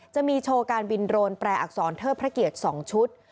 จะมีโชว์การบินโรนแปรอักษรเทิดพระเกียรติ๒ชุด